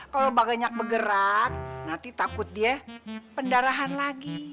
kalau banyak bergerak nanti takut dia pendarahan lagi